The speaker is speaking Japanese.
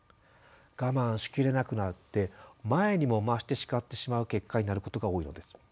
我慢し切れなくなって前にも増して叱ってしまう結果になることが多いのです。